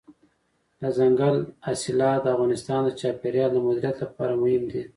دځنګل حاصلات د افغانستان د چاپیریال د مدیریت لپاره مهم دي.